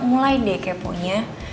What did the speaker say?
mulai deh kepo nya